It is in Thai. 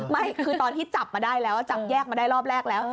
ไม่คือตอนที่จับมาได้แล้วจับแยกมาได้รอบแรกแล้ว